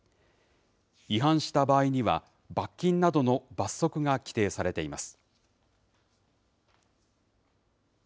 違反した場合には、罰金などの罰則が規定されています。